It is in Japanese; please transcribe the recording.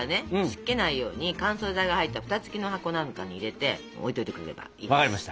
湿気ないように乾燥剤が入ったフタ付きの箱なんかに入れて置いといてくれればいいです。